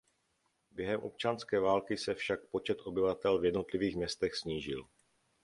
Během občanské války se však počet obyvatel jednotlivých městech snížil.